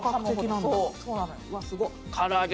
唐揚げ。